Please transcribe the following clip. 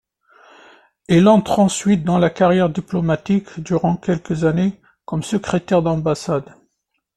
Il entre ensuite dans la carrière diplomatique, durant quelques années, comme secrétaire d'ambassade.